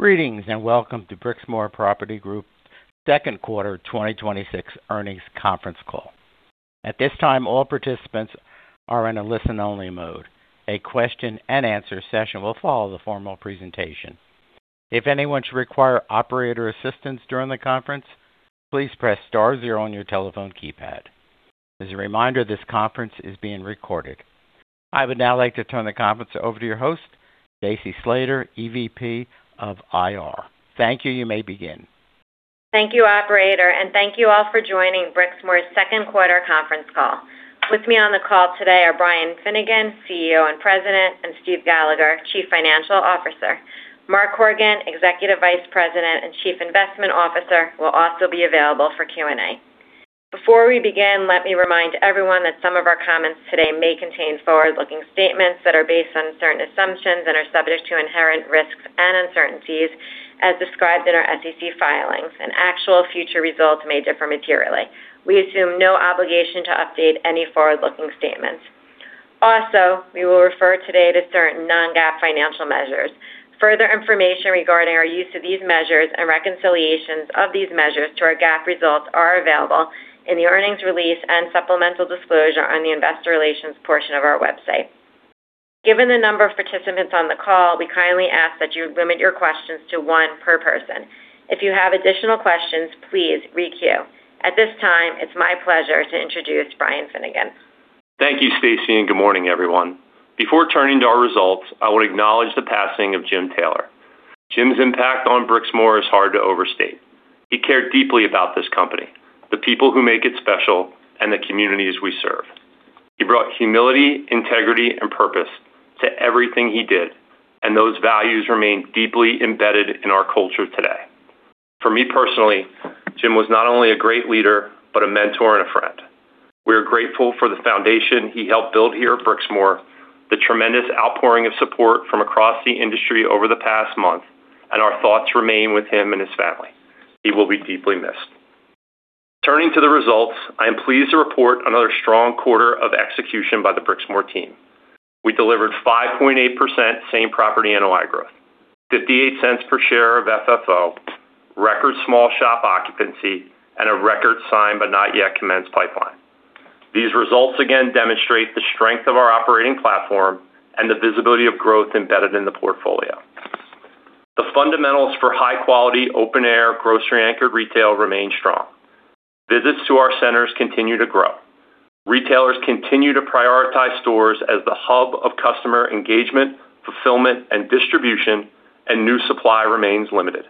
Greetings, welcome to Brixmor Property Group second quarter 2026 earnings conference call. At this time, all participants are in a listen-only mode. A question-and-answer session will follow the formal presentation. If anyone should require operator assistance during the conference, please press star zero on your telephone keypad. As a reminder, this conference is being recorded. I would now like to turn the conference over to your host, Stacy Slater, EVP of IR. Thank you. You may begin. Thank you, operator, thank you all for joining Brixmor's second quarter conference call. With me on the call today are Brian Finnegan, CEO and President, and Steve Gallagher, Chief Financial Officer. Mark Horgan, Executive Vice President and Chief Investment Officer, will also be available for Q&A. Before we begin, let me remind everyone that some of our comments today may contain forward-looking statements that are based on certain assumptions and are subject to inherent risks and uncertainties, as described in our SEC filings. Actual future results may differ materially. We assume no obligation to update any forward-looking statements. Also, we will refer today to certain non-GAAP financial measures. Further information regarding our use of these measures and reconciliations of these measures to our GAAP results are available in the earnings release and supplemental disclosure on the investor relations portion of our website. Given the number of participants on the call, we kindly ask that you limit your questions to one per person. If you have additional questions, please re-queue. At this time, it's my pleasure to introduce Brian Finnegan. Thank you, Stacy, good morning, everyone. Before turning to our results, I want to acknowledge the passing of Jim Taylor. Jim's impact on Brixmor is hard to overstate. He cared deeply about this company, the people who make it special, and the communities we serve. He brought humility, integrity, and purpose to everything he did, and those values remain deeply embedded in our culture today. For me personally, Jim was not only a great leader but a mentor and a friend. We are grateful for the foundation he helped build here at Brixmor, the tremendous outpouring of support from across the industry over the past month, and our thoughts remain with him and his family. He will be deeply missed. Turning to the results, I am pleased to report another strong quarter of execution by the Brixmor team. We delivered 5.8% same-property NOI growth, $0.58 per share of FFO, record small shop occupancy, and a record signed but not yet commenced pipeline. These results again demonstrate the strength of our operating platform and the visibility of growth embedded in the portfolio. The fundamentals for high-quality, open-air, grocery-anchored retail remain strong. Visits to our centers continue to grow. Retailers continue to prioritize stores as the hub of customer engagement, fulfillment, and distribution, and new supply remains limited.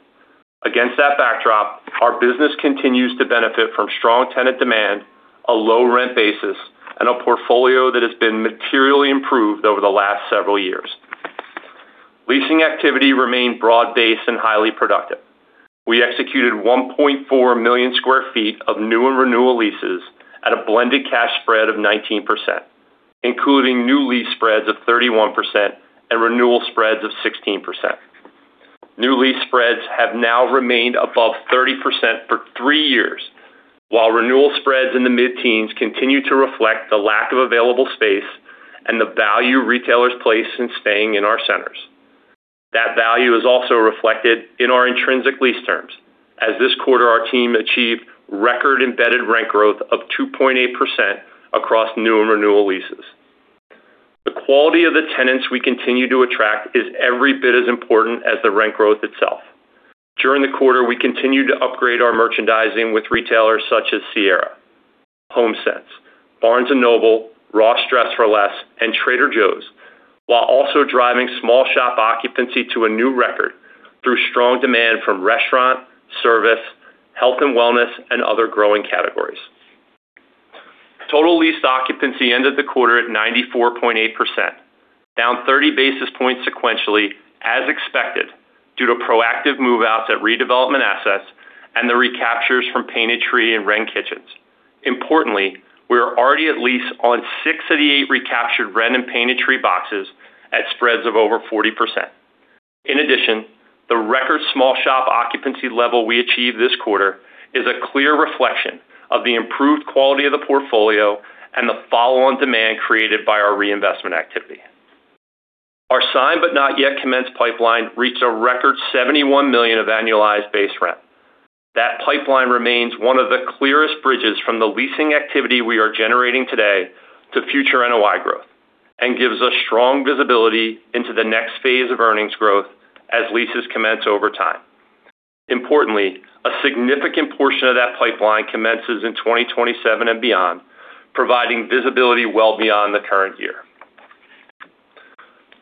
Against that backdrop, our business continues to benefit from strong tenant demand, a low rent basis, and a portfolio that has been materially improved over the last several years. Leasing activity remained broad-based and highly productive. We executed 1.4 million square feet of new and renewal leases at a blended cash spread of 19%, including new lease spreads of 31% and renewal spreads of 16%. New lease spreads have now remained above 30% for three years, while renewal spreads in the mid-teens continue to reflect the lack of available space and the value retailers place in staying in our centers. That value is also reflected in our intrinsic lease terms, as this quarter our team achieved record-embedded rent growth of 2.8% across new and renewal leases. The quality of the tenants we continue to attract is every bit as important as the rent growth itself. During the quarter, we continued to upgrade our merchandising with retailers such as Sierra, HomeSense, Barnes & Noble, Ross Dress for Less, and Trader Joe's, while also driving small shop occupancy to a new record through strong demand from restaurant, service, health and wellness, and other growing categories. Total leased occupancy ended the quarter at 94.8%, down 30 basis points sequentially as expected, due to proactive move-outs at redevelopment assets and the recaptures from Painted Tree and Wren Kitchens. Importantly, we are already at lease on six of the eight recaptured Wren and Painted Tree boxes at spreads of over 40%. In addition, the record small shop occupancy level we achieved this quarter is a clear reflection of the improved quality of the portfolio and the follow-on demand created by our reinvestment activity. Our signed but not yet commenced pipeline reached a record $71 million of annualized base rent. That pipeline remains one of the clearest bridges from the leasing activity we are generating today to future NOI growth and gives us strong visibility into the next phase of earnings growth as leases commence over time. Importantly, a significant portion of that pipeline commences in 2027 and beyond, providing visibility well beyond the current year.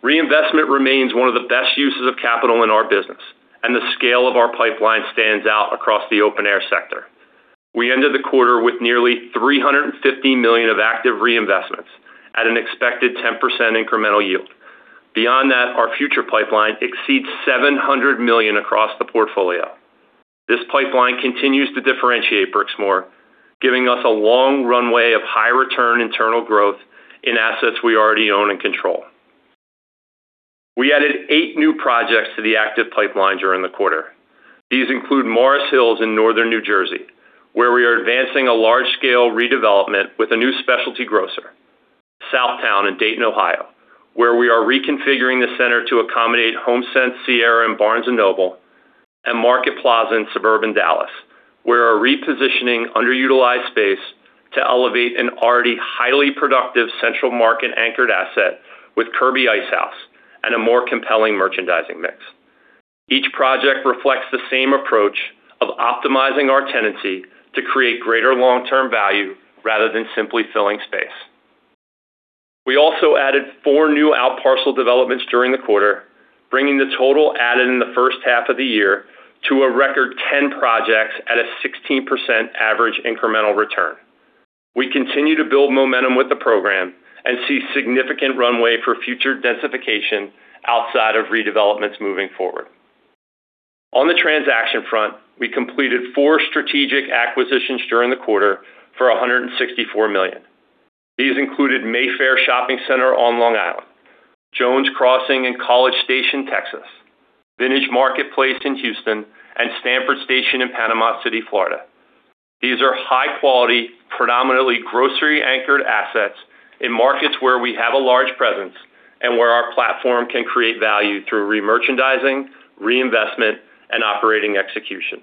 Reinvestment remains one of the best uses of capital in our business, and the scale of our pipeline stands out across the open-air sector. We ended the quarter with nearly $350 million of active reinvestments at an expected 10% incremental yield. Beyond that, our future pipeline exceeds $700 million across the portfolio. This pipeline continues to differentiate Brixmor, giving us a long runway of high return internal growth in assets we already own and control. We added eight new projects to the active pipeline during the quarter. These include Morris Hills in northern New Jersey, where we are advancing a large-scale redevelopment with a new specialty grocer. South Towne Centre in Dayton, Ohio, where we are reconfiguring the center to accommodate HomeSense, Sierra, and Barnes & Noble, and Market Plaza in suburban Dallas, where our repositioning underutilized space to elevate an already highly productive Central Market anchored asset with Kirby Ice House and a more compelling merchandising mix. Each project reflects the same approach of optimizing our tenancy to create greater long-term value rather than simply filling space. We also added four new out parcel developments during the quarter, bringing the total added in the first half of the year to a record 10 projects at a 16% average incremental return. We continue to build momentum with the program and see significant runway for future densification outside of redevelopments moving forward. On the transaction front, we completed four strategic acquisitions during the quarter for $164 million. These included Mayfair Shopping Center on Long Island, Jones Crossing in College Station, Texas, Vintage Marketplace in Houston, and Stanford Station in Panama City, Florida. These are high-quality, predominantly grocery-anchored assets in markets where we have a large presence and where our platform can create value through remerchandising, reinvestment, and operating execution.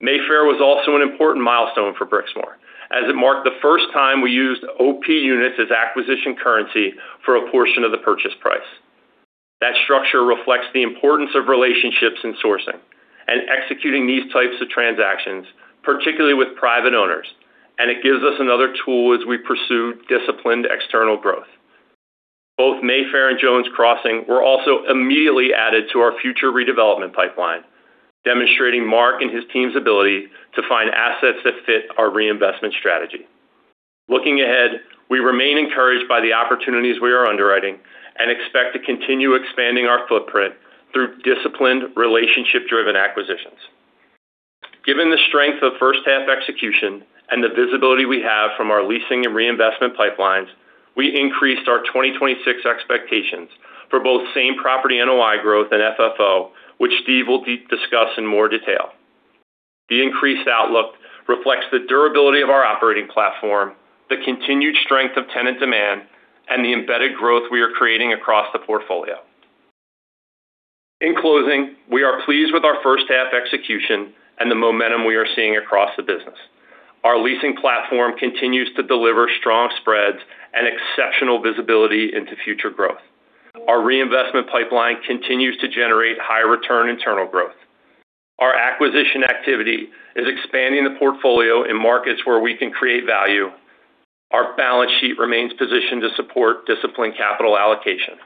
Mayfair was also an important milestone for Brixmor, as it marked the first time we used OP units as acquisition currency for a portion of the purchase price. That structure reflects the importance of relationships in sourcing and executing these types of transactions, particularly with private owners, and it gives us another tool as we pursue disciplined external growth. Both Mayfair and Jones Crossing were also immediately added to our future redevelopment pipeline, demonstrating Mark and his team's ability to find assets that fit our reinvestment strategy. Looking ahead, we remain encouraged by the opportunities we are underwriting and expect to continue expanding our footprint through disciplined relationship-driven acquisitions. Given the strength of first half execution and the visibility we have from our leasing and reinvestment pipelines, we increased our 2026 expectations for both same property NOI growth and FFO, which Steve will discuss in more detail. The increased outlook reflects the durability of our operating platform, the continued strength of tenant demand, and the embedded growth we are creating across the portfolio. In closing, we are pleased with our first half execution and the momentum we are seeing across the business. Our leasing platform continues to deliver strong spreads and exceptional visibility into future growth. Our reinvestment pipeline continues to generate high return internal growth. Our acquisition activity is expanding the portfolio in markets where we can create value. Our balance sheet remains positioned to support disciplined capital allocation.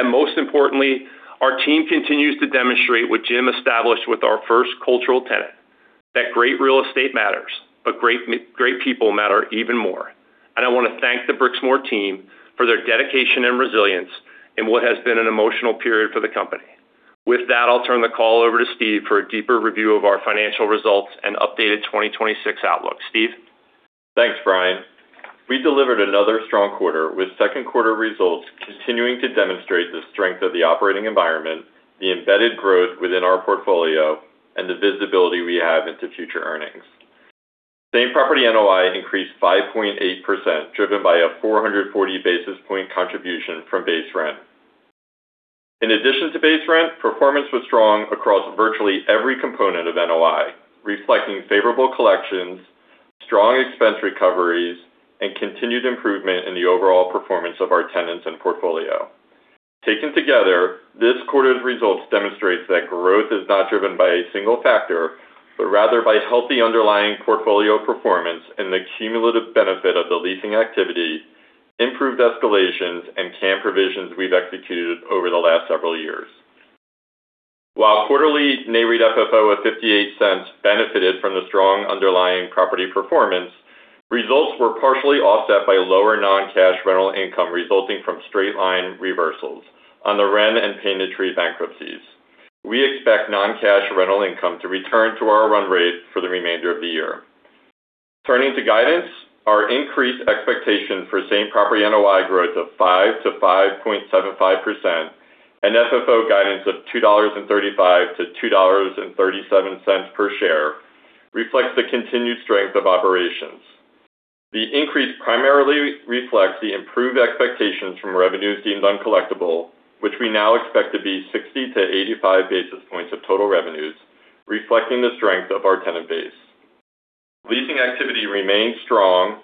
Most importantly, our team continues to demonstrate what Jim established with our first cultural tenet, that great real estate matters, but great people matter even more. I want to thank the Brixmor team for their dedication and resilience in what has been an emotional period for the company. With that, I'll turn the call over to Steve for a deeper review of our financial results and updated 2026 outlook. Steve? Thanks, Brian. We delivered another strong quarter with second quarter results continuing to demonstrate the strength of the operating environment, the embedded growth within our portfolio, and the visibility we have into future earnings. Same property NOI increased 5.8%, driven by a 440 basis point contribution from base rent. In addition to base rent, performance was strong across virtually every component of NOI, reflecting favorable collections, strong expense recoveries, and continued improvement in the overall performance of our tenants and portfolio. Taken together, this quarter's results demonstrates that growth is not driven by a single factor, but rather by healthy underlying portfolio performance and the cumulative benefit of the leasing activity, improved escalations, and CAM provisions we've executed over the last several years. While quarterly Nareit FFO of $0.58 benefited from the strong underlying property performance, results were partially offset by lower non-cash rental income resulting from straight-line reversals on the Wren and Painted Tree Boutiques bankruptcies. We expect non-cash rental income to return to our run rate for the remainder of the year. Turning to guidance, our increased expectation for same property NOI growth of 5%-5.75% and FFO guidance of $2.35-$2.37 per share reflects the continued strength of operations. The increase primarily reflects the improved expectations from revenues deemed uncollectible, which we now expect to be 60-85 basis points of total revenues, reflecting the strength of our tenant base. Leasing activity remains strong,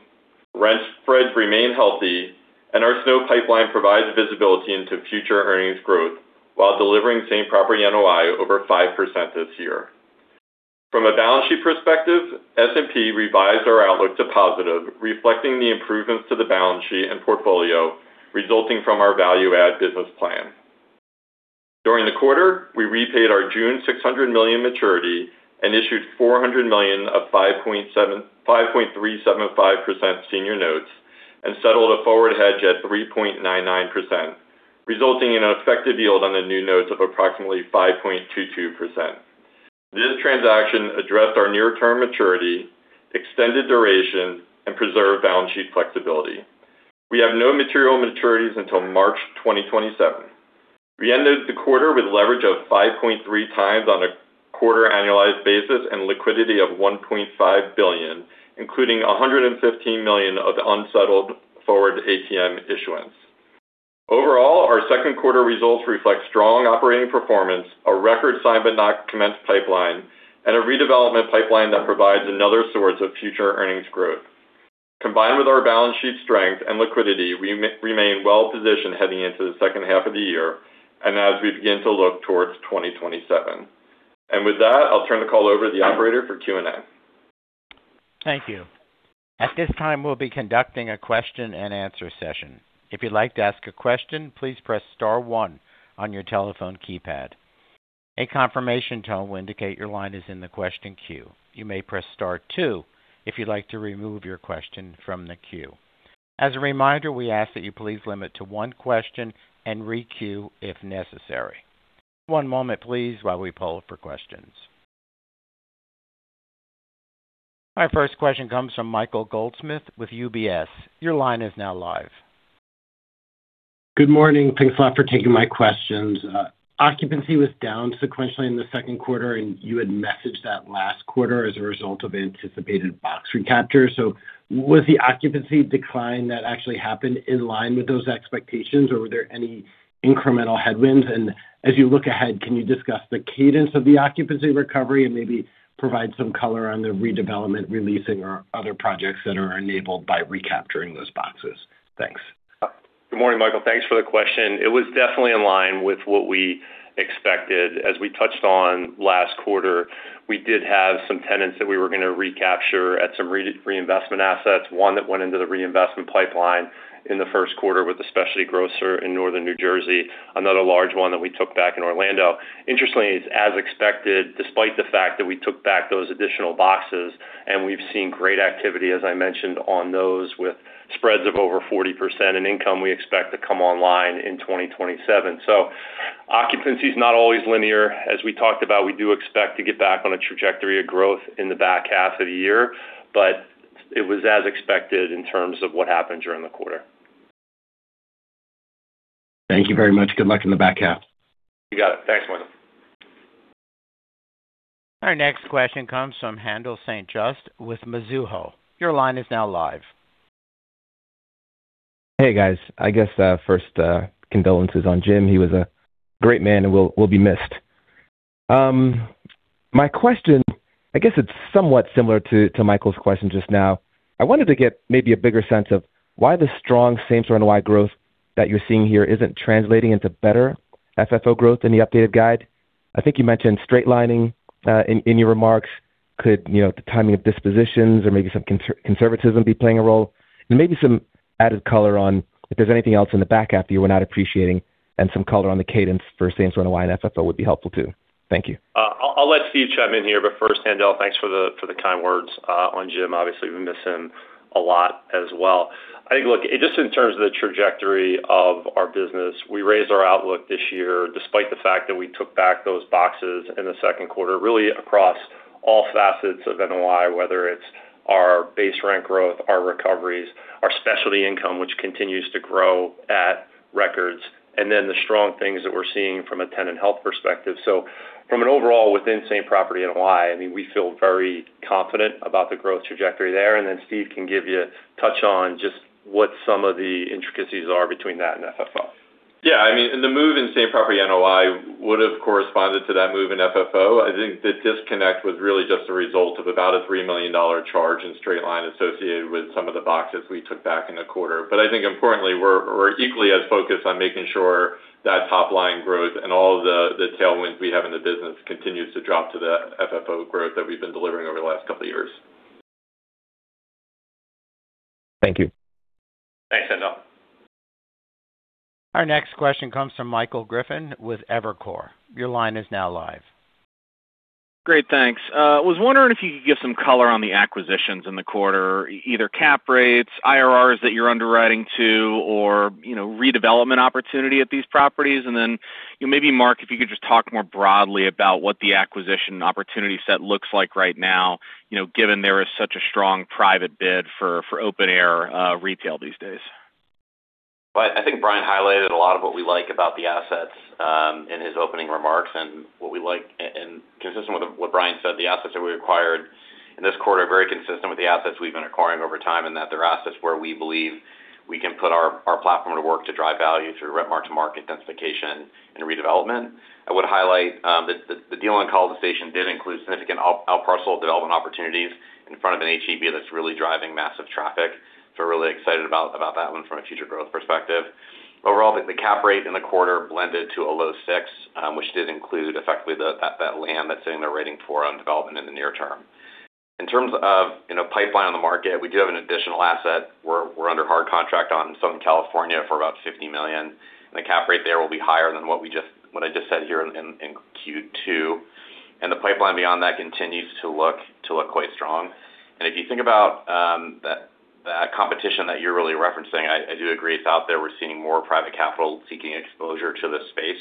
rent spreads remain healthy, and our SNOC pipeline provides visibility into future earnings growth while delivering same property NOI over 5% this year. From a balance sheet perspective, S&P revised our outlook to positive, reflecting the improvements to the balance sheet and portfolio resulting from our value add business plan. During the quarter, we repaid our June $600 million maturity and issued $400 million of 5.375% senior notes and settled a forward hedge at 3.99%, resulting in an effective yield on the new notes of approximately 5.22%. This transaction addressed our near-term maturity, extended duration, and preserved balance sheet flexibility. We have no material maturities until March 2027. We ended the quarter with leverage of 5.3x on a quarter annualized basis and liquidity of $1.5 billion, including $115 million of unsettled forward ATM issuance. Overall, our second quarter results reflect strong operating performance, a record signed but not commenced pipeline, and a redevelopment pipeline that provides another source of future earnings growth. Combined with our balance sheet strength and liquidity, we remain well-positioned heading into the second half of the year and as we begin to look towards 2027. With that, I'll turn the call over to the operator for Q&A. Thank you. At this time, we'll be conducting a question-and-answer session. If you'd like to ask a question, please press star one on your telephone keypad. A confirmation tone will indicate your line is in the question queue. You may press star two if you'd like to remove your question from the queue. As a reminder, we ask that you please limit to one question and re-queue if necessary. One moment please, while we poll for questions. Our first question comes from Michael Goldsmith with UBS. Your line is now live. Good morning. Thanks a lot for taking my questions. Occupancy was down sequentially in the second quarter, and you had messaged that last quarter as a result of anticipated box recapture. Was the occupancy decline that actually happened in line with those expectations, or were there any incremental headwinds? As you look ahead, can you discuss the cadence of the occupancy recovery and maybe provide some color on the redevelopment releasing or other projects that are enabled by recapturing those boxes? Thanks. Good morning, Michael. Thanks for the question. It was definitely in line with what we expected. As we touched on last quarter, we did have some tenants that we were going to recapture at some reinvestment assets, one that went into the reinvestment pipeline in the first quarter with a specialty grocer in Northern New Jersey, another large one that we took back in Orlando. Interestingly, it's as expected, despite the fact that we took back those additional boxes, and we've seen great activity, as I mentioned, on those with spreads of over 40% in income we expect to come online in 2027. Occupancy is not always linear. As we talked about, we do expect to get back on a trajectory of growth in the back half of the year. It was as expected in terms of what happened during the quarter. Thank you very much. Good luck in the back half. You got it. Thanks, Michael. Our next question comes from Haendel St. Juste with Mizuho. Your line is now live. Hey, guys. I guess first condolences on Jim. He was a great man and will be missed. My question, I guess it's somewhat similar to Michael's question just now. I wanted to get maybe a bigger sense of why the strong same-store NOI growth that you're seeing here isn't translating into better FFO growth in the updated guide. I think you mentioned straight lining in your remarks. Could the timing of dispositions or maybe some conservatism be playing a role? Maybe some added color on if there's anything else in the back half that you were not appreciating and some color on the cadence for same NOI and FFO would be helpful too. Thank you. I'll let Steve chime in here. First, Haendel, thanks for the kind words on Jim. Obviously, we miss him a lot as well. I think, look, just in terms of the trajectory of our business, we raised our outlook this year despite the fact that we took back those boxes in the second quarter, really across all facets of NOI, whether it's our base rent growth, our recoveries, our specialty income, which continues to grow at records, and then the strong things that we're seeing from a tenant health perspective. So from an overall within same property NOI, we feel very confident about the growth trajectory there. Then Steve can give you a touch on just what some of the intricacies are between that and FFO. Yeah. The move in same property NOI would have corresponded to that move in FFO. I think the disconnect was really just a result of about a $3 million charge in straight line associated with some of the boxes we took back in the quarter. I think importantly, we're equally as focused on making sure that top-line growth and all the tailwinds we have in the business continues to drop to the FFO growth that we've been delivering over the last couple of years. Thank you. Thanks, Haendel. Our next question comes from Michael Griffin with Evercore. Your line is now live. Great. Thanks. I was wondering if you could give some color on the acquisitions in the quarter, either cap rates, IRRs that you're underwriting to, or redevelopment opportunity at these properties. Maybe Mark, if you could just talk more broadly about what the acquisition opportunity set looks like right now, given there is such a strong private bid for open-air retail these days. I think Brian highlighted a lot of what we like about the assets in his opening remarks and what we like. Consistent with what Brian said, the assets that we acquired in this quarter are very consistent with the assets we've been acquiring over time, and that they're assets where we believe we can put our platform to work to drive value through rent mark-to-market densification and redevelopment. I would highlight that the deal in College Station did include significant outparcel development opportunities in front of an HEB that's really driving massive traffic. We're really excited about that one from a future growth perspective. Overall, I think the cap rate in the quarter blended to a low six, which did include effectively that land that's sitting there waiting for development in the near term. In terms of pipeline on the market, we do have an additional asset. We're under hard contract on Southern California for about $50 million. The cap rate there will be higher than what I just said here in Q2. The pipeline beyond that continues to look quite strong. If you think about that competition that you're really referencing, I do agree it's out there. We're seeing more private capital seeking exposure to this space.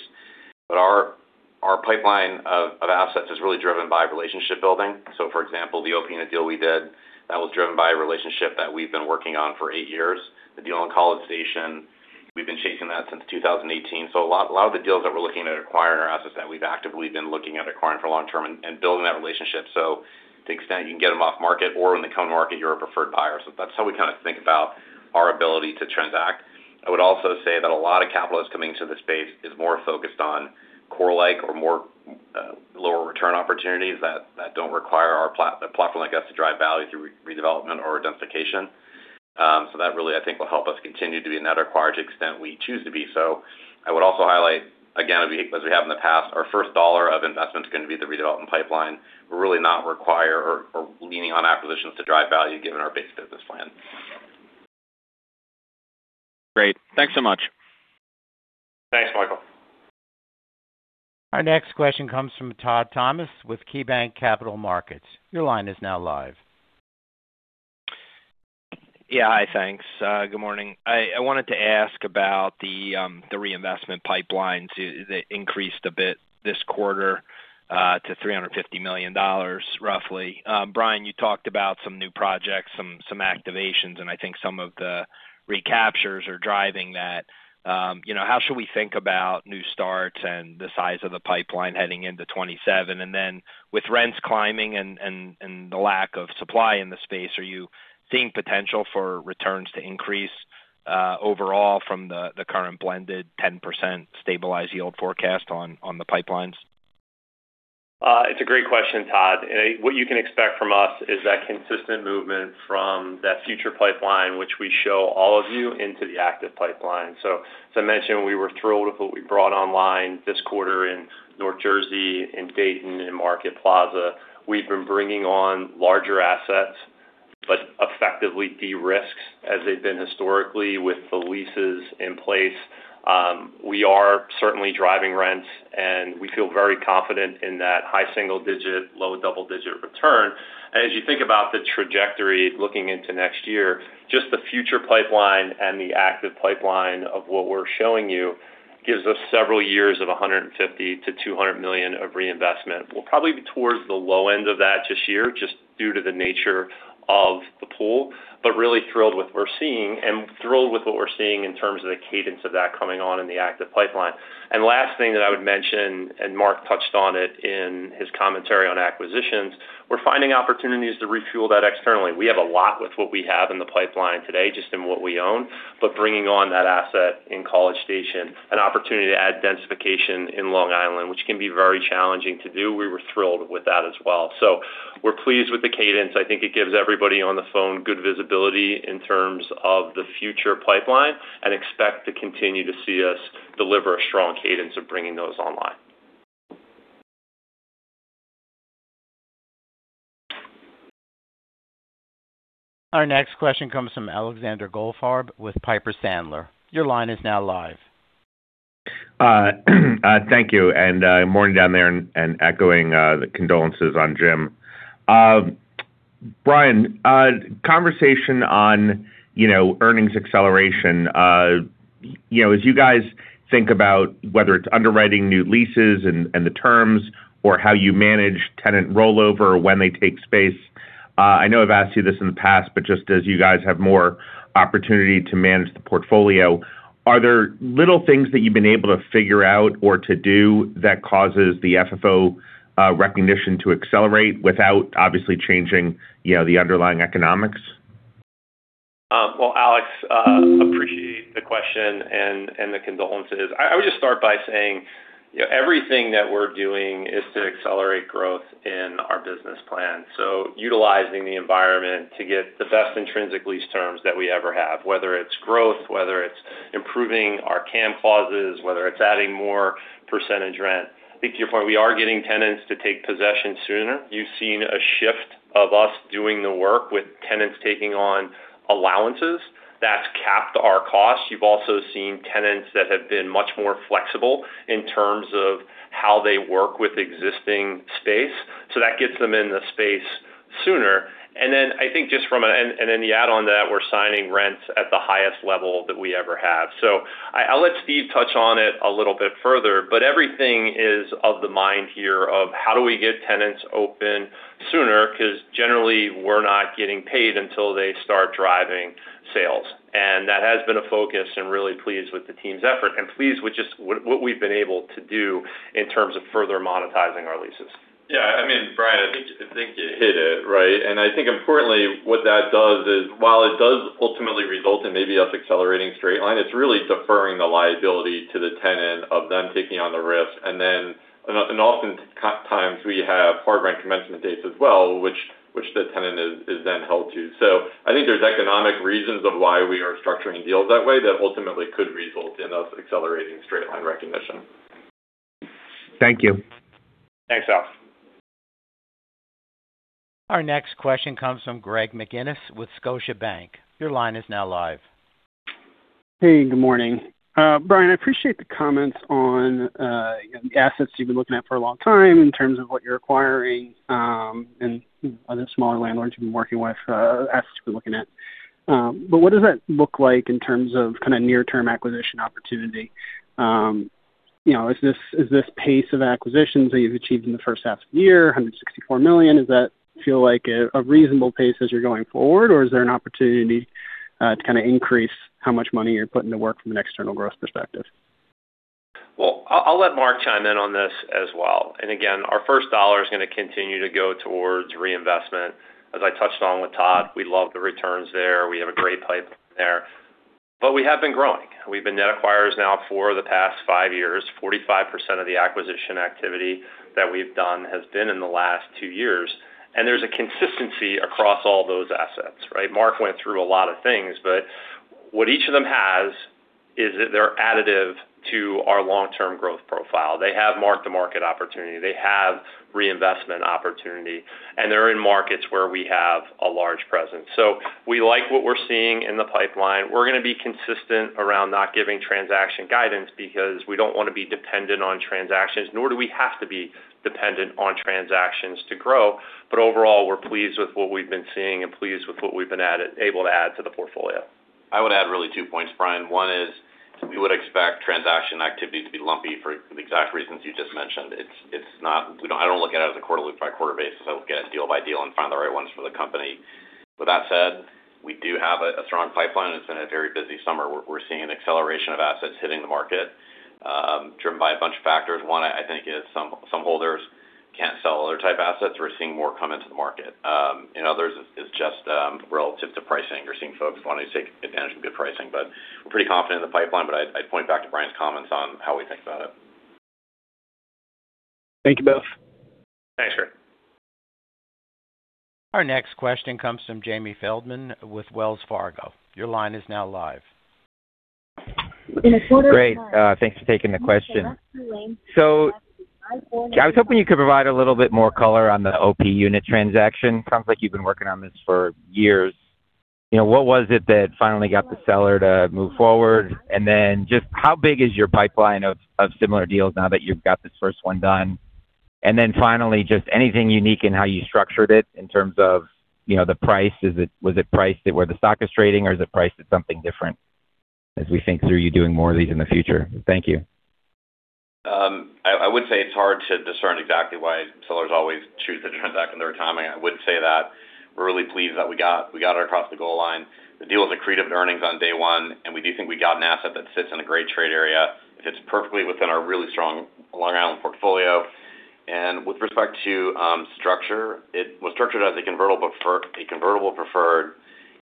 Our pipeline of assets is really driven by relationship building. For example, the Op unit deal we did, that was driven by a relationship that we've been working on for eight years. The deal in College Station, we've been chasing that since 2018. A lot of the deals that we're looking to acquire in our asset side, we've actively been looking at acquiring for long-term and building that relationship. To the extent you can get them off-market, or when they come to market, you're a preferred buyer. That's how we kind of think about our ability to transact. I would also say that a lot of capital that's coming into the space is more focused on core-like or more lower return opportunities that don't require our platform like us to drive value through redevelopment or densification. That really, I think, will help us continue to be a net acquirer to the extent we choose to be. I would also highlight, again, as we have in the past, our first dollar of investment is going to be the redevelopment pipeline. We really not require or leaning on acquisitions to drive value given our base business plan. Great. Thanks so much. Thanks, Michael. Our next question comes from Todd Thomas with KeyBanc Capital Markets. Your line is now live. Yeah. Hi, thanks. Good morning. I wanted to ask about the reinvestment pipeline. It increased a bit this quarter to $350 million, roughly. Brian, you talked about some new projects, some activations, and I think some of the recaptures are driving that. How should we think about new starts and the size of the pipeline heading into 2027? And then with rents climbing and the lack of supply in the space, are you seeing potential for returns to increase overall from the current blended 10% stabilized yield forecast on the pipelines? It's a great question, Todd. What you can expect from us is that consistent movement from that future pipeline, which we show all of you into the active pipeline. As I mentioned, we were thrilled with what we brought online this quarter in North Jersey, in Dayton, in Market Plaza. We've been bringing on larger assets, but effectively de-risked as they've been historically with the leases in place. We are certainly driving rents, and we feel very confident in that high single-digit, low double-digit return. As you think about the trajectory looking into next year, just the future pipeline and the active pipeline of what we're showing you gives us several years of $150 million-$200 million of reinvestment. We'll probably be towards the low end of that this year, just due to the nature of the pool. Really thrilled with what we're seeing, and thrilled with what we're seeing in terms of the cadence of that coming on in the active pipeline. Last thing that I would mention, and Mark touched on it in his commentary on acquisitions, we're finding opportunities to refuel that externally. We have a lot with what we have in the pipeline today, just in what we own. Bringing on that asset in College Station, an opportunity to add densification in Long Island, which can be very challenging to do. We were thrilled with that as well. We're pleased with the cadence. I think it gives everybody on the phone good visibility in terms of the future pipeline, and expect to continue to see us deliver a strong cadence of bringing those online. Our next question comes from Alexander Goldfarb with Piper Sandler. Your line is now live. Thank you. Good morning down there, echoing the condolences on Jim. Brian, conversation on earnings acceleration. As you guys think about whether it's underwriting new leases and the terms, or how you manage tenant rollover when they take space. I know I've asked you this in the past, but just as you guys have more opportunity to manage the portfolio, are there little things that you've been able to figure out or to do that causes the FFO recognition to accelerate without obviously changing the underlying economics? Well, Alex, appreciate the question and the condolences. I would just start by saying everything that we're doing is to accelerate growth in our business plan. Utilizing the environment to get the best intrinsic lease terms that we ever have, whether it's growth, whether it's improving our CAM clauses, whether it's adding more percentage rent. I think to your point, we are getting tenants to take possession sooner. You've seen a shift of us doing the work with tenants taking on allowances. That's capped our costs. You've also seen tenants that have been much more flexible in terms of how they work with existing space. That gets them in the space sooner. The add-on to that, we're signing rents at the highest level that we ever have. I'll let Steve touch on it a little bit further, but everything is of the mind here of how do we get tenants open sooner? Because generally we're not getting paid until they start driving sales. That has been a focus and really pleased with the team's effort and pleased with what we've been able to do in terms of further monetizing our leases. Yeah. I mean Brian, I think you hit it. I think importantly what that does is while it does ultimately result in maybe us accelerating straight line, it's really deferring the liability to the tenant of them taking on the risk. Oftentimes we have hard rent commencement dates as well, which the tenant is then held to. I think there's economic reasons of why we are structuring deals that way that ultimately could result in us accelerating straight line recognition. Thank you. Thanks, Alex. Our next question comes from Greg McGinniss with Scotiabank. Your line is now live. Hey, good morning. Brian, I appreciate the comments on the assets you've been looking at for a long time in terms of what you're acquiring and other smaller landlords you've been working with, assets you've been looking at. What does that look like in terms of near-term acquisition opportunity? Is this pace of acquisitions that you've achieved in the first half of the year, $164 million, does that feel like a reasonable pace as you're going forward, or is there an opportunity to increase how much money you're putting to work from an external growth perspective? Well, I'll let Mark chime in on this as well. Again, our first dollar is going to continue to go towards reinvestment. As I touched on with Todd, we love the returns there. We have a great pipeline there. We have been growing. We've been net acquirers now for the past five years. 45% of the acquisition activity that we've done has been in the last two years, and there's a consistency across all those assets. Mark went through a lot of things, but what each of them has is that they're additive to our long-term growth profile. They have mark-to-market opportunity, they have reinvestment opportunity, and they're in markets where we have a large presence. We like what we're seeing in the pipeline. We're going to be consistent around not giving transaction guidance because we don't want to be dependent on transactions, nor do we have to be dependent on transactions to grow. Overall, we're pleased with what we've been seeing and pleased with what we've been able to add to the portfolio. I would add really two points, Brian. One is we would expect transaction activity to be lumpy for the exact reasons you just mentioned. I don't look at it as a quarter-by-quarter basis. I look at it deal by deal and find the right ones for the company. With that said, we do have a strong pipeline. It's been a very busy summer. We're seeing an acceleration of assets hitting the market, driven by a bunch of factors. One, I think is some holders can't sell other type assets. We're seeing more come into the market. In others, it's just relative to pricing. We're seeing folks wanting to take advantage of good pricing. We're pretty confident in the pipeline, but I'd point back to Brian's comments on how we think about it. Thank you both. Thanks. Our next question comes from Jamie Feldman with Wells Fargo. Your line is now live. Great. Thanks for taking the question. I was hoping you could provide a little bit more color on the OP unit transaction. Sounds like you've been working on this for years. What was it that finally got the seller to move forward? Just how big is your pipeline of similar deals now that you've got this first one done? Finally, just anything unique in how you structured it in terms of the price. Was it priced at where the stock is trading or is it priced at something different as we think through you doing more of these in the future? Thank you. I would say it's hard to discern exactly why sellers always choose to transact in their timing. I would say that we're really pleased that we got it across the goal line. The deal is accretive to earnings on day one. We do think we got an asset that sits in a great trade area. It fits perfectly within our really strong Long Island portfolio. With respect to structure, it was structured as a convertible preferred,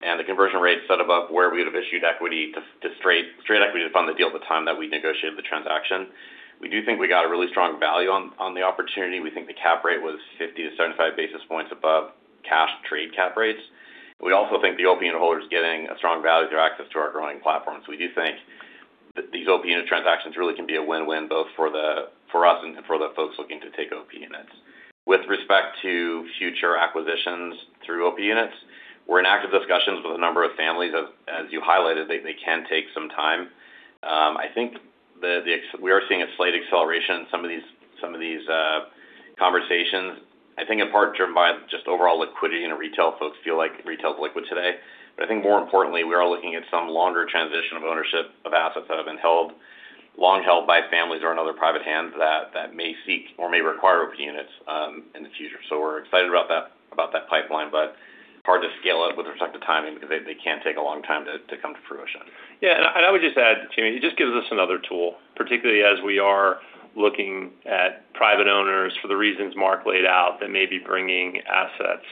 and the conversion rate set above where we would have issued equity to straight equity to fund the deal at the time that we negotiated the transaction. We do think we got a really strong value on the opportunity. We think the cap rate was 50-75 basis points above cash trade cap rates. We also think the OP unit holder is getting a strong value through access to our growing platform. We do think that these OP unit transactions really can be a win-win both for us and for the folks looking to take OP units. With respect to future acquisitions through OP units, we're in active discussions with a number of families. As you highlighted, they can take some time. I think that we are seeing a slight acceleration in some of these conversations, I think in part driven by just overall liquidity and retail folks feel like retail is liquid today. I think more importantly, we are looking at some longer transition of ownership of assets that have been long held by families or in other private hands that may seek or may require OP units in the future. We're excited about that pipeline, hard to scale it with respect to timing because they can take a long time to come to fruition. I would just add, Jamie, it just gives us another tool, particularly as we are looking at private owners for the reasons Mark laid out that may be bringing assets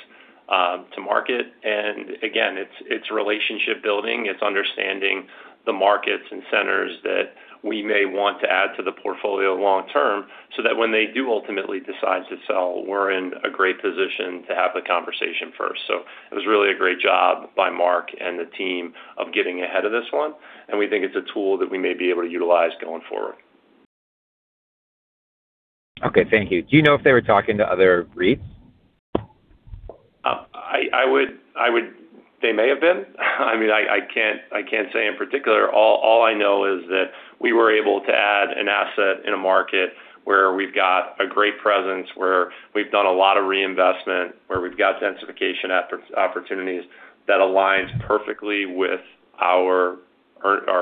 to market. Again, it's relationship building. It's understanding the markets and centers that we may want to add to the portfolio long-term, so that when they do ultimately decide to sell, we're in a great position to have the conversation first. It was really a great job by Mark and the team of getting ahead of this one, and we think it's a tool that we may be able to utilize going forward. Okay. Thank you. Do you know if they were talking to other REITs? They may have been. I can't say in particular. All I know is that we were able to add an asset in a market where we've got a great presence, where we've done a lot of reinvestment, where we've got densification opportunities that aligns perfectly with our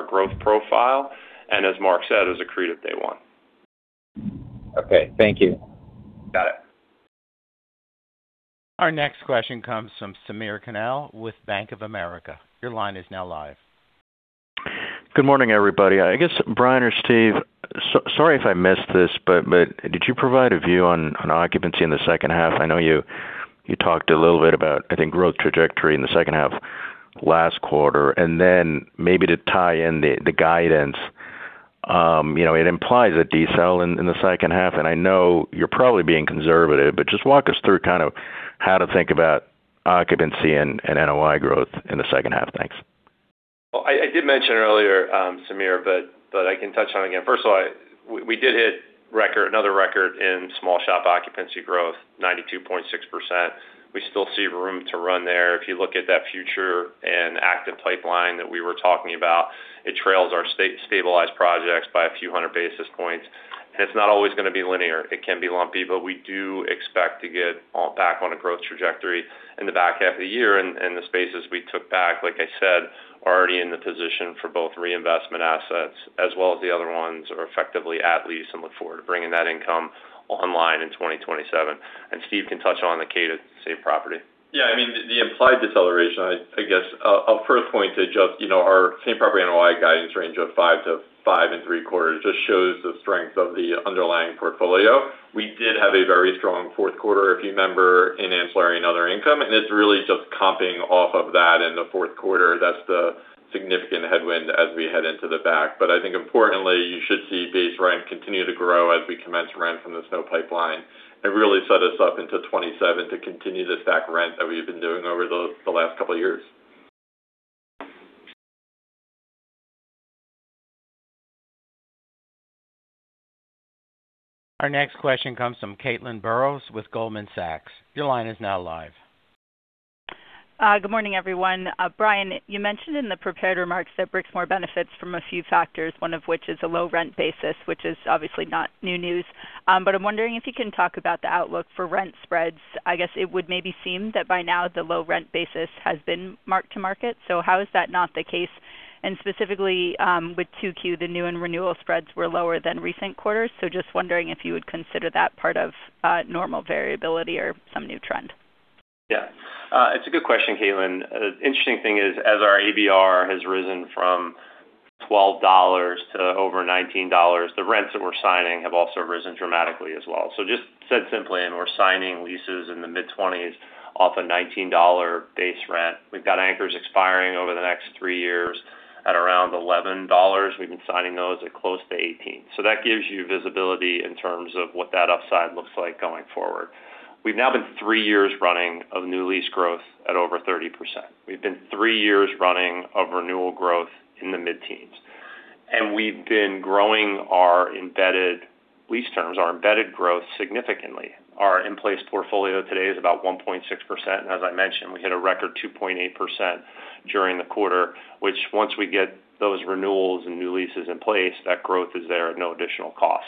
growth profile, and as Mark said, it was accretive day one. Okay. Thank you. Got it. Our next question comes from Samir Khanal with Bank of America. Your line is now live. Good morning, everybody. I guess Brian or Steve, sorry if I missed this, did you provide a view on occupancy in the second half? I know you talked a little bit about, I think, growth trajectory in the second half last quarter, maybe to tie in the guidance. It implies a decel in the second half, I know you're probably being conservative, just walk us through kind of how to think about occupancy and NOI growth in the second half. Thanks. Well, I did mention earlier, Samir, I can touch on it again. First of all, we did hit another record in small shop occupancy growth, 92.6%. We still see room to run there. If you look at that future and active pipeline that we were talking about, it trails our stabilized projects by a few hundred basis points. It's not always going to be linear. It can be lumpy, we do expect to get back on a growth trajectory in the back half of the year. The spaces we took back, like I said, are already in the position for both reinvestment assets as well as the other ones are effectively at lease and look forward to bringing that income online in 2027. Steve can touch on the Q2 same property. The implied deceleration, I guess I'll first point to just our same property NOI guidance range of 5%-5.75% just shows the strength of the underlying portfolio. We did have a very strong fourth quarter, if you remember, in ancillary and other income, and it's really just comping off of that in the fourth quarter. That's the significant headwind as we head into the back. I think importantly, you should see base rent continue to grow as we commence rent from the SNOC pipeline and really set us up into 2027 to continue the stack rent that we've been doing over the last couple of years. Our next question comes from Caitlin Burrows with Goldman Sachs. Your line is now live. Good morning, everyone. Brian, you mentioned in the prepared remarks that Brixmor benefits from a few factors, one of which is a low rent basis, which is obviously not new news. I'm wondering if you can talk about the outlook for rent spreads. I guess it would maybe seem that by now the low rent basis has been mark to market. How is that not the case? Specifically, with 2Q, the new and renewal spreads were lower than recent quarters. Just wondering if you would consider that part of normal variability or some new trend. Yeah. It's a good question, Caitlin. Interesting thing is, as our ABR has risen from $12 to over $19, the rents that we're signing have also risen dramatically as well. Just said simply, we're signing leases in the mid-20s off a $19 base rent. We've got anchors expiring over the next three years at around $11. We've been signing those at close to $18. That gives you visibility in terms of what that upside looks like going forward. We've now been three years running of new lease growth at over 30%. We've been three years running of renewal growth in the mid-teens. We've been growing our embedded lease terms, our embedded growth significantly. Our in-place portfolio today is about 1.6%. As I mentioned, we hit a record 2.8% during the quarter, which once we get those renewals and new leases in place, that growth is there at no additional cost.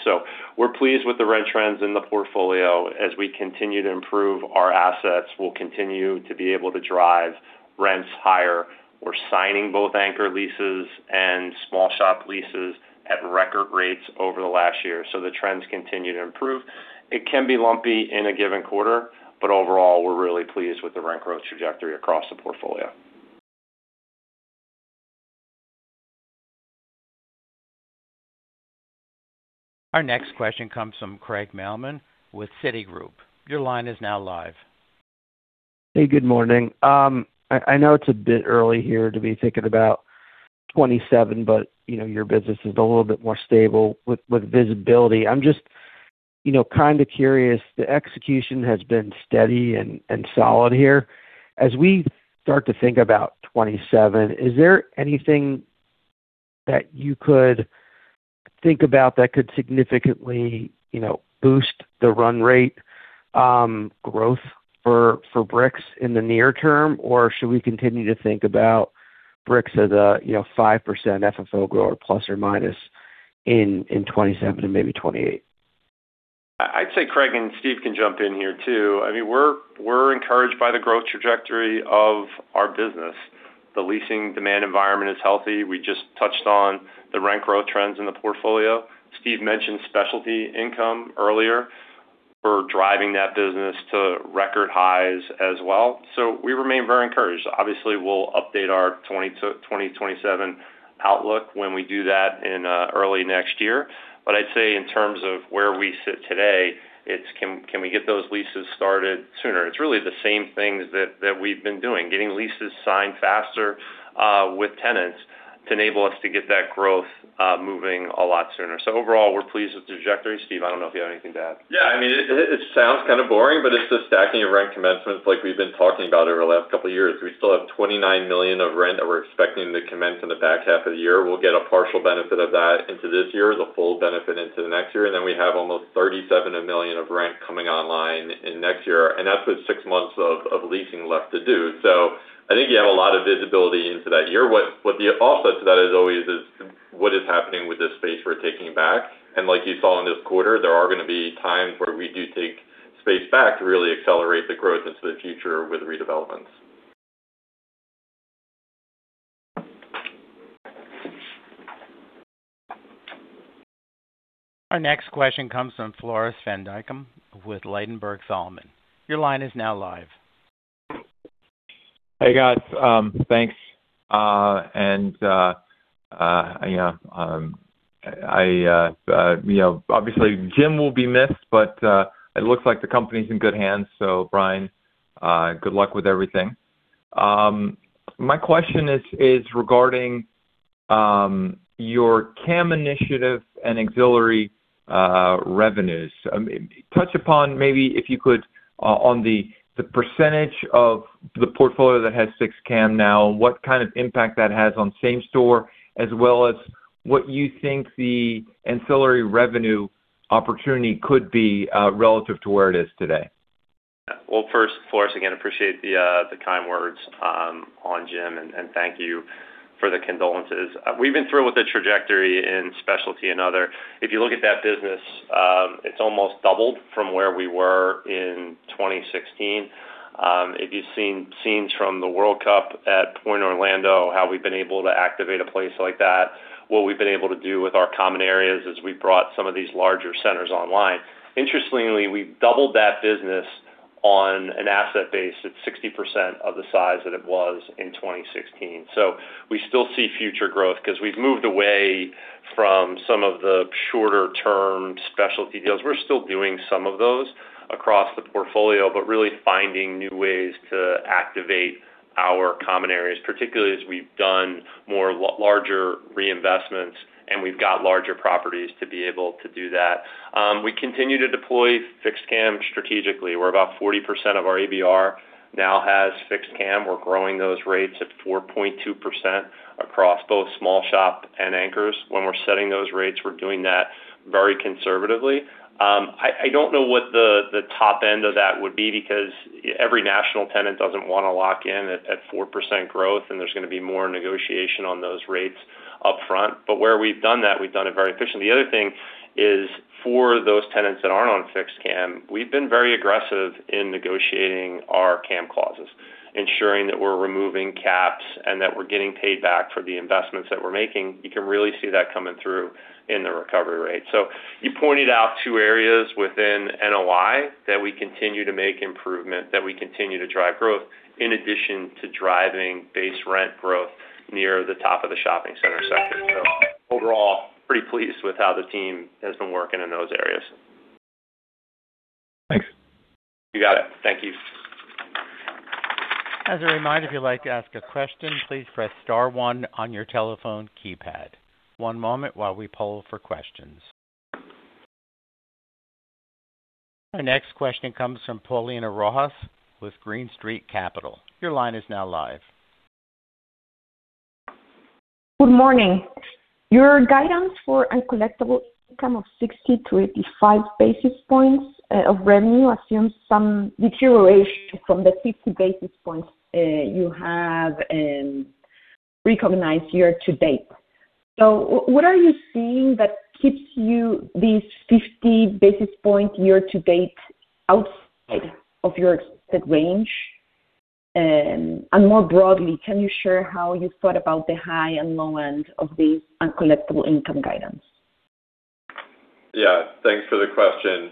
We're pleased with the rent trends in the portfolio. As we continue to improve our assets, we'll continue to be able to drive rents higher. We're signing both anchor leases and small shop leases at record rates over the last year. The trends continue to improve. It can be lumpy in a given quarter, but overall, we're really pleased with the rent growth trajectory across the portfolio. Our next question comes from Craig Mailman with Citigroup. Your line is now live. Hey, good morning. I know it's a bit early here to be thinking about 2027, Your business is a little bit more stable with visibility. I'm just kind of curious, the execution has been steady and solid here. As we start to think about 2027, is there anything that you could think about that could significantly boost the run rate growth for Brix in the near-term? Or should we continue to think about Brix as a 5% FFO grower plus or minus in 2027 and maybe 2028? I'd say Craig, Steve can jump in here too. We're encouraged by the growth trajectory of our business. The leasing demand environment is healthy. We just touched on the rent growth trends in the portfolio. Steve mentioned specialty income earlier for driving that business to record highs as well. We remain very encouraged. Obviously, we'll update our 2027 outlook when we do that in early next year. I'd say in terms of where we sit today, it's can we get those leases started sooner? It's really the same things that we've been doing, getting leases signed faster with tenants to enable us to get that growth moving a lot sooner. Overall, we're pleased with the trajectory. Steve, I don't know if you have anything to add. It sounds kind of boring, but it's the stacking of rent commencements like we've been talking about over the last couple of years. We still have $29 million of rent that we're expecting to commence in the back half of the year. We'll get a partial benefit of that into this year, the full benefit into the next year. We have almost $37 million of rent coming online in next year, and that's with six months of leasing left to do. I think you have a lot of visibility into that year. What the offset to that is always is what is happening with the space we're taking back. Like you saw in this quarter, there are going to be times where we do take space back to really accelerate the growth into the future with redevelopments. Our next question comes from Floris van Dijkum with Ladenburg Thalmann. Your line is now live. Hey, guys. Thanks. Obviously Jim will be missed, but it looks like the company's in good hands. Brian, good luck with everything. My question is regarding your CAM initiative and ancillary revenues. Touch upon maybe if you could, on the percentage of the portfolio that has fixed CAM now, what kind of impact that has on same store, as well as what you think the ancillary revenue opportunity could be relative to where it is today. First, Floris, again, appreciate the kind words on Jim. Thank you for the condolences. We've been thrilled with the trajectory in specialty and other. If you look at that business, it's almost doubled from where we were in 2016. If you've seen scenes from the World Cup at Pointe Orlando, how we've been able to activate a place like that, what we've been able to do with our common areas as we've brought some of these larger centers online. Interestingly, we've doubled that business on an asset base that's 60% of the size that it was in 2016. We still see future growth because we've moved away from some of the shorter-term specialty deals. We're still doing some of those across the portfolio, but really finding new ways to activate our common areas, particularly as we've done more larger reinvestments and we've got larger properties to be able to do that. We continue to deploy fixed CAM strategically, where about 40% of our ABR now has fixed CAM. We're growing those rates at 4.2% across both small shop and anchors. When we're setting those rates, we're doing that very conservatively. I don't know what the top end of that would be because every national tenant doesn't want to lock in at 4% growth, and there's going to be more negotiation on those rates up front. Where we've done that, we've done it very efficiently. The other thing is, for those tenants that aren't on fixed CAM, we've been very aggressive in negotiating our CAM clauses, ensuring that we're removing caps and that we're getting paid back for the investments that we're making. You can really see that coming through in the recovery rate. You pointed out two areas within NOI that we continue to make improvement, that we continue to drive growth in addition to driving base rent growth near the top of the shopping center sector. Overall, pretty pleased with how the team has been working in those areas. Thanks. You got it. Thank you. As a reminder, if you'd like to ask a question, please press star one on your telephone keypad. One moment while we poll for questions. Our next question comes from Paulina Rojas with Green Street Capital. Your line is now live. Good morning. Your guidance for uncollectible income of 60-85 basis points of revenue assumes some deterioration from the 50 basis points you have recognized year-to-date. What are you seeing that keeps you these 50 basis points year-to-date outside of your expected range? More broadly, can you share how you thought about the high and low end of the uncollectible income guidance? Yeah. Thanks for the question.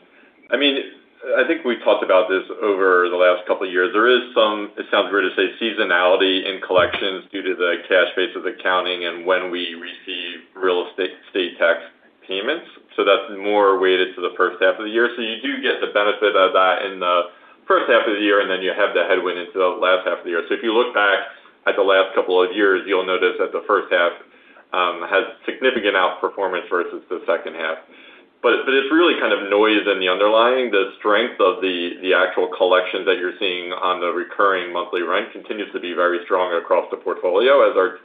I think we've talked about this over the last couple of years. There is some, it sounds weird to say, seasonality in collections due to the cash basis accounting and when we receive real estate state tax payments. That's more weighted to the first half of the year. You do get the benefit of that in the first half of the year, and then you have the headwind into the last half of the year. If you look back at the last couple of years, you'll notice that the first half has significant outperformance versus the second half. It's really kind of noise in the underlying. The strength of the actual collection that you're seeing on the recurring monthly rent continues to be very strong across the portfolio as our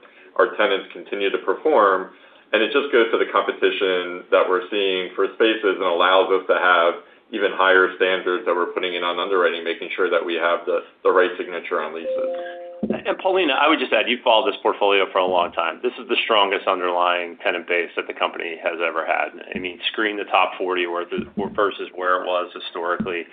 tenants continue to perform. It just goes to the competition that we're seeing for spaces and allows us to have even higher standards that we're putting in on underwriting, making sure that we have the right signature on leases. Paulina, I would just add, you've followed this portfolio for a long time. This is the strongest underlying tenant base that the company has ever had. I mean, screen the top 40 versus where it was historically.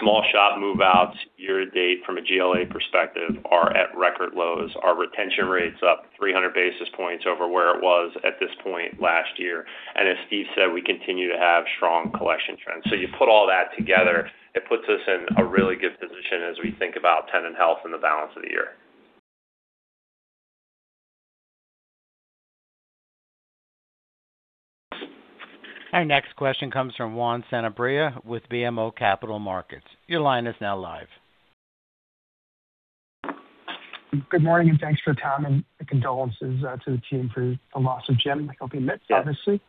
Small shop move-outs year to date from a GLA perspective are at record lows. Our retention rate's up 300 basis points over where it was at this point last year. As Steve said, we continue to have strong collection trends. You put all that together, it puts us in a really good position as we think about tenant health and the balance of the year. Our next question comes from Juan Sanabria with BMO Capital Markets. Your line is now live. Good morning, thanks for the time, condolences to the team for the loss of Jim. He will be missed obviously.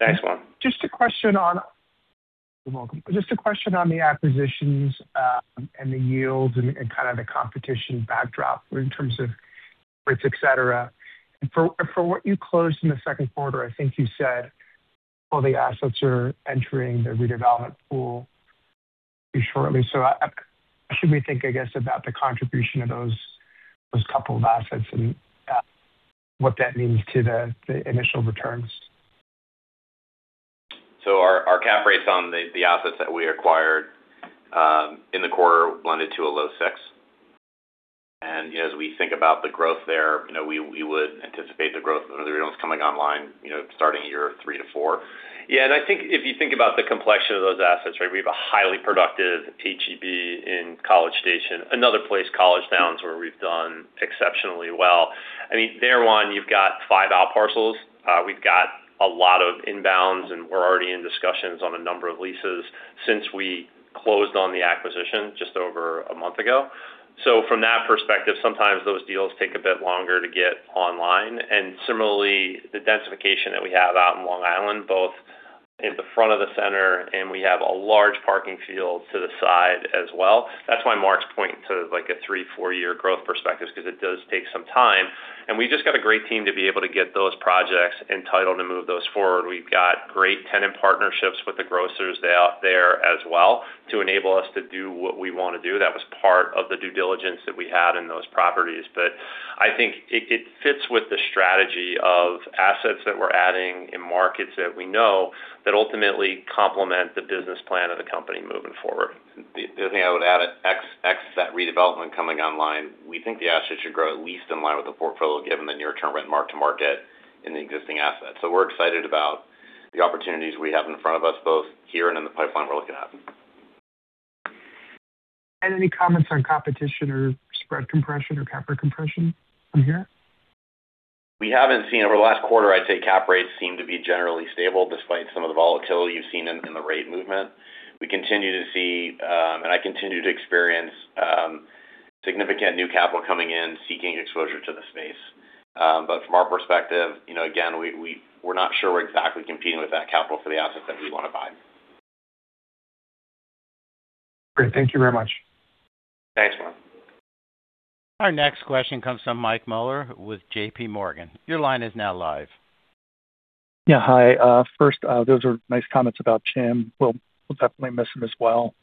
Thanks, Juan. Just a question on the acquisitions and the yields and kind of the competition backdrop in terms of rates, et cetera. For what you closed in the second quarter, I think you said all the assets are entering the redevelopment pool pretty shortly. How should we think, I guess, about the contribution of those coupled assets and what that means to the initial returns? Our cap rates on the assets that we acquired in the quarter blended to a low six. As we think about the growth there, we would anticipate the growth of the rentals coming online starting year 3-4. If you think about the complexion of those assets, we have a highly productive H-E-B in College Station, another place, College Towns, where we've done exceptionally well. There, Juan, you've got five outparcels. We've got a lot of inbounds, and we're already in discussions on a number of leases since we closed on the acquisition just over a month ago. From that perspective, sometimes those deals take a bit longer to get online. Similarly, the densification that we have out in Long Island, both in the front of the center, and we have a large parking field to the side as well. That's why Mark's pointing to a three, four-year growth perspective, because it does take some time. We've just got a great team to be able to get those projects entitled to move those forward. We've got great tenant partnerships with the grocers out there as well to enable us to do what we want to do. That was part of the due diligence that we had in those properties. I think it fits with the strategy of assets that we're adding in markets that we know that ultimately complement the business plan of the company moving forward. The other thing I would add, ex that redevelopment coming online, we think the assets should grow at least in line with the portfolio, given the near-term rent mark to market in the existing assets. We're excited about the opportunities we have in front of us, both here and in the pipeline we're looking at. Any comments on competition or spread compression or cap rate compression from here? Over the last quarter, I'd say cap rates seem to be generally stable, despite some of the volatility you've seen in the rate movement. We continue to see, and I continue to experience significant new capital coming in, seeking exposure to the space. From our perspective, again, we're not sure we're exactly competing with that capital for the assets that we want to buy. Great. Thank you very much. Thanks, Juan. Our next question comes from Mike Mueller with JPMorgan. Your line is now live. Yeah. Hi, first, those are nice comments about Jim. We'll definitely miss him as well.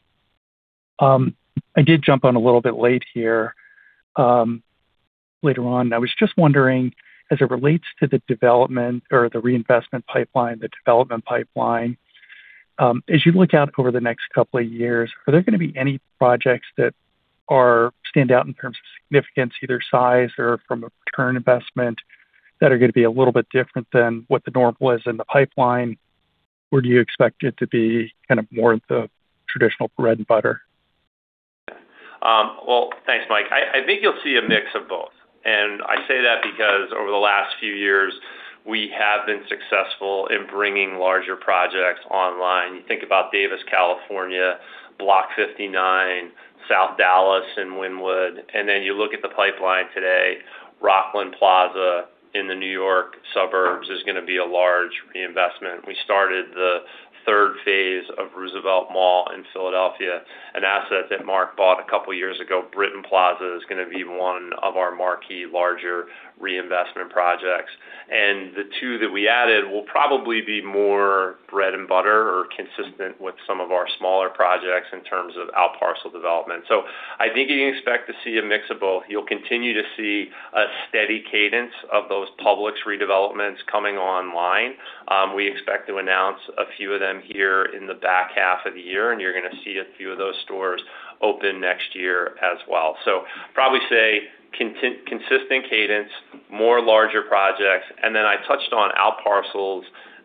I did jump on a little bit late here. Later on, I was just wondering, as it relates to the development or the reinvestment pipeline, the development pipeline, as you look out over the next couple of years, are there going to be any projects that stand out in terms of significance, either size or from a return investment, that are going to be a little bit different than what the norm was in the pipeline, or do you expect it to be kind of more of the traditional bread and butter? Thanks, Mike. I think you'll see a mix of both. I say that because over the last few years, we have been successful in bringing larger projects online. You think about Davis, California, Block 59, South Dallas in Wynnewood, then you look at the pipeline today, Rockland Plaza in the New York suburbs is going to be a large reinvestment. We started the third phase of Roosevelt Mall in Philadelphia, an asset that Mark bought a couple of years ago. Britton Plaza is going to be one of our marquee larger reinvestment projects. The two that we added will probably be more bread and butter or consistent with some of our smaller projects in terms of outparcel development. I think you can expect to see a mix of both. You'll continue to see a steady cadence of those Publix redevelopments coming online. We expect to announce a few of them here in the back half of the year, you're going to see a few of those stores open next year as well. Probably say consistent cadence, more larger projects. Then I touched on outparcels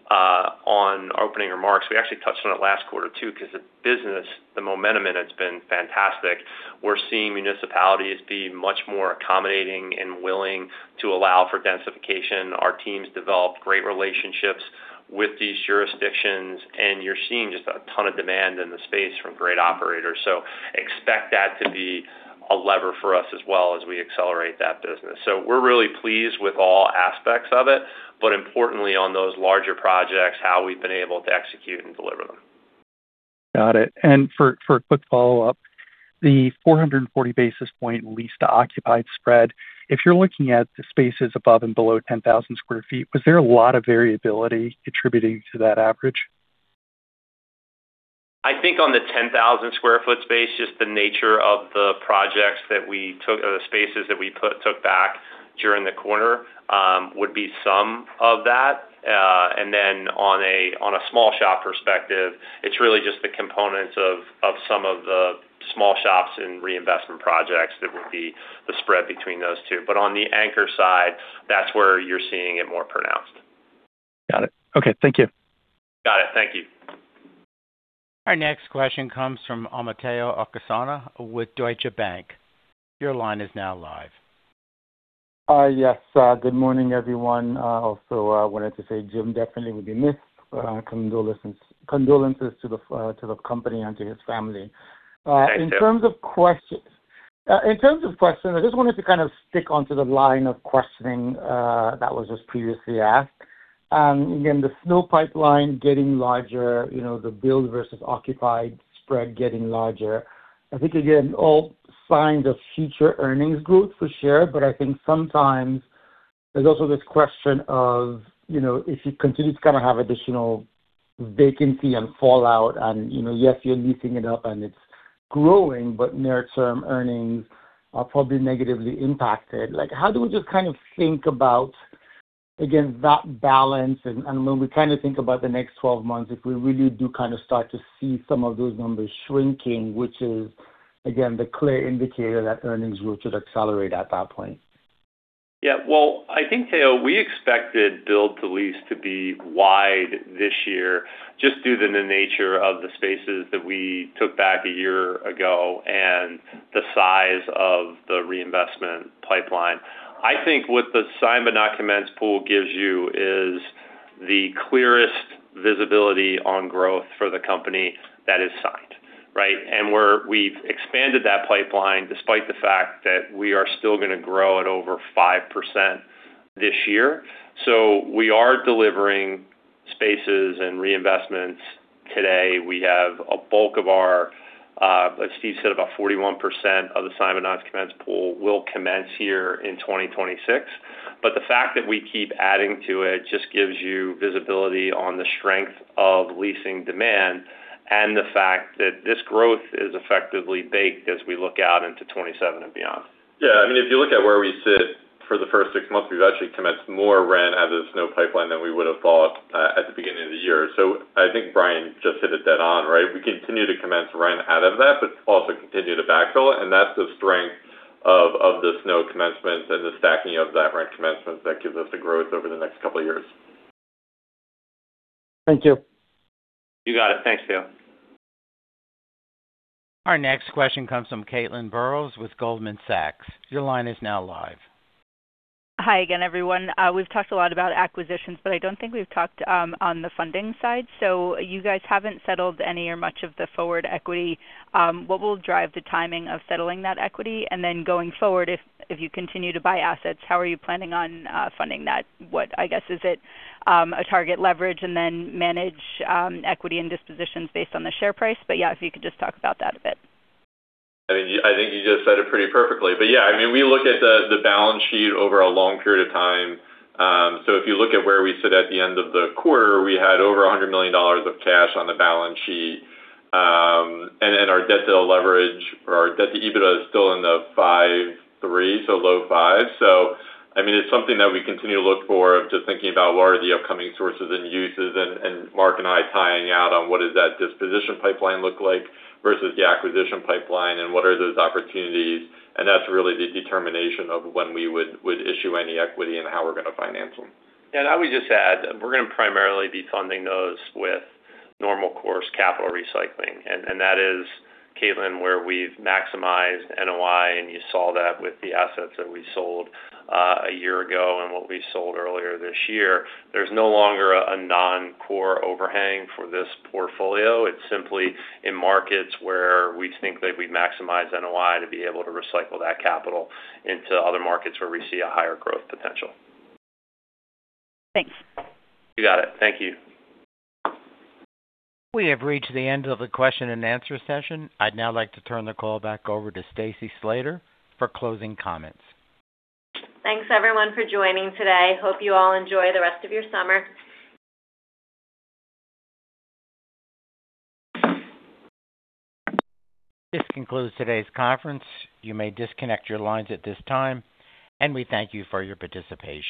on opening remarks. We actually touched on it last quarter, too, because the business, the momentum in it's been fantastic. We're seeing municipalities be much more accommodating and willing to allow for densification. Our team's developed great relationships with these jurisdictions, you're seeing just a ton of demand in the space from great operators. Expect that to be a lever for us as well as we accelerate that business. We're really pleased with all aspects of it, but importantly on those larger projects, how we've been able to execute and deliver them. Got it. For a quick follow-up, the 440 basis points leased to occupied spread, if you're looking at the spaces above and below 10,000 sq ft, was there a lot of variability contributing to that average? I think on the 10,000 sq ft space, just the nature of the projects that we took or the spaces that we took back during the quarter would be some of that. Then on a small shop perspective, it's really just the components of some of the small shops and reinvestment projects that would be the spread between those two. On the anchor side, that's where you're seeing it more pronounced. Got it. Okay. Thank you. Got it. Thank you. Our next question comes from Omotayo Okusanya with Deutsche Bank. Your line is now live. Yes. Good morning, everyone. Also wanted to say Jim definitely will be missed. Condolences to the company and to his family. Thank you. In terms of questions, I just wanted to kind of stick onto the line of questioning that was just previously asked. Again, the SNOC pipeline getting larger, the build versus occupied spread getting larger. I think, again, all signs of future earnings growth for sure, but I think sometimes there's also this question of if you continue to kind of have additional vacancy and fallout and yes, you're leasing it up and it's growing, but near-term earnings are probably negatively impacted. How do we just kind of think about, again, that balance and when we kind of think about the next 12 months, if we really do kind of start to see some of those numbers shrinking, which is, again, the clear indicator that earnings growth should accelerate at that point. Well, I think, Tayo, we expected build to lease to be wide this year just due to the nature of the spaces that we took back a year ago and the size of the reinvestment pipeline. I think what the signed but not commenced pool gives you is the clearest visibility on growth for the company that is signed. We've expanded that pipeline despite the fact that we are still going to grow at over 5% this year. We are delivering spaces and reinvestments today. We have a bulk of our, as Steve said, about 41% of the SNOC non-commence pool will commence here in 2026. The fact that we keep adding to it just gives you visibility on the strength of leasing demand and the fact that this growth is effectively baked as we look out into 2027 and beyond. Yeah. If you look at where we sit for the first six months, we've actually commenced more rent out of the SNOC pipeline than we would have thought at the beginning of the year. I think Brian just hit it dead on. We continue to commence rent out of that, but also continue to backfill it, and that's the strength of the SNOC commencement and the stacking of that rent commencement that gives us the growth over the next couple of years. Thank you. You got it. Thanks, Tayo. Our next question comes from Caitlin Burrows with Goldman Sachs. Your line is now live. Hi again, everyone. We've talked a lot about acquisitions, but I don't think we've talked on the funding side. You guys haven't settled any or much of the forward equity. What will drive the timing of settling that equity? Then going forward, if you continue to buy assets, how are you planning on funding that? What, I guess, is it a target leverage and then manage equity and dispositions based on the share price? Yeah, if you could just talk about that a bit. I think you just said it pretty perfectly. Yeah, we look at the balance sheet over a long period of time. If you look at where we sit at the end of the quarter, we had over $100 million of cash on the balance sheet. Then our debt to leverage or our debt to EBITDA is still in the 5.3x, so low fives. It's something that we continue to look for, just thinking about what are the upcoming sources and uses and Mark and I tying out on what does that disposition pipeline look like versus the acquisition pipeline and what are those opportunities. That's really the determination of when we would issue any equity and how we're going to finance them. I would just add, we're going to primarily be funding those with normal course capital recycling, and that is, Caitlin, where we've maximized NOI, and you saw that with the assets that we sold a year ago and what we sold earlier this year. There's no longer a non-core overhang for this portfolio. It's simply in markets where we think that we maximize NOI to be able to recycle that capital into other markets where we see a higher growth potential. Thanks. You got it. Thank you. We have reached the end of the question-and-answer session. I'd now like to turn the call back over to Stacy Slater for closing comments. Thanks everyone for joining today. Hope you all enjoy the rest of your summer. This concludes today's conference. You may disconnect your lines at this time. We thank you for your participation.